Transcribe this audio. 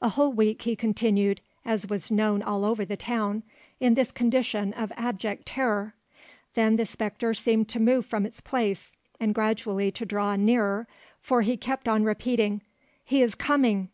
A whole week he continued, as was known all over the town, in this condition of abject terror; then the spectre seemed to move from its place and gradually to draw nearer, for he kept on repeating, "He is coming!